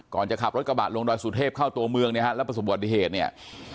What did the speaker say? ก่อนจะขับรถกระบะลงดอยสุเทพเข้าตัวเมืองนะฮะแล้วประสบบัติเหตุเนี่ย